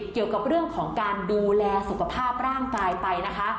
เกี่ยวกับเรื่องของการดูแลสุขภาพร่างกายไปนะคะ